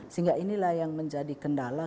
sehingga inilah yang menjadi kendala